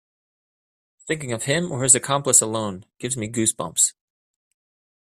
Thinking of him or his accomplice alone gives me goose bumps.